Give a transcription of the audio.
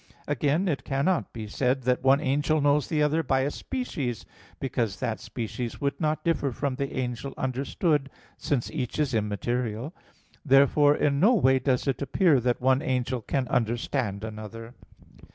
Again, it cannot be said that one angel knows the other by a species; because that species would not differ from the angel understood, since each is immaterial. Therefore in no way does it appear that one angel can understand another.